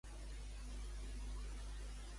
De què era una deïtat el seu progenitor?